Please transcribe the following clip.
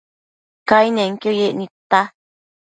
Cainenquio yec nidta